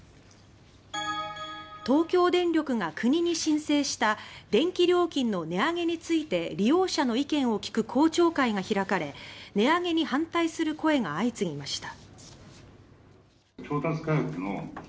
東京電力が国に申請した電気料金の値上げについて利用者の意見を聞く公聴会が開かれ値上げに反対する声が相次ぎました。